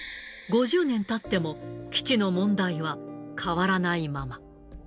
５０年たっても、基地の問題は変わらないまま。